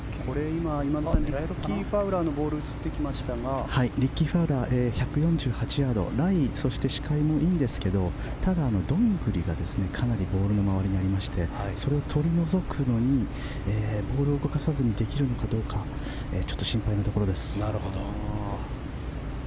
今田さんリッキー・ファウラーのボールがリッキー・ファウラー１４８ヤードライ、視界もいいんですがただ、ドングリがかなりボールの周りにありましてそれを取り除くのにボールを動かさずにできるのかどうか心配なところです。